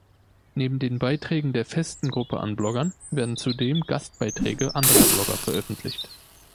Neben den Beiträgen der festen Gruppe an Bloggern werden zudem Gastbeiträge anderer Blogger veröffentlicht.